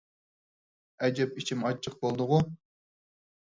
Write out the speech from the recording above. ئەجەب ئىچىم ئاچچىق بولدىغۇ!